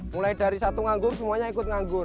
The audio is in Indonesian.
mulai dari satu anggur semuanya ikut anggur